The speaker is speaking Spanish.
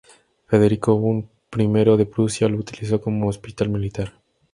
Federico I de Prusia lo utilizó como hospital militar.